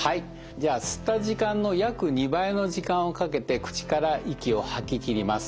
じゃあ吸った時間の約２倍の時間をかけて口から息を吐き切ります。